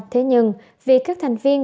thế nhưng việc các thành viên